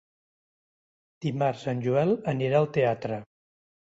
Dimarts en Joel anirà al teatre.